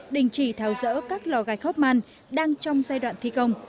đình chỉ tháo rỡ các lò gạch khóp man đang trong giai đoạn thi công